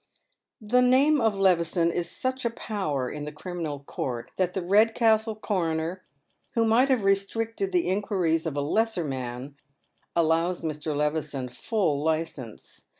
The name of Levison is such a power in the criminal court that the Redcastle coroner, who might have restricted the inquiries of a lesser man, allows Mr. Levison full licence.